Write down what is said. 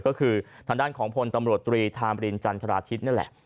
ก็คือทางด้านของพลตำรวจตรีธามรินจันทราทิศนั่นแหละ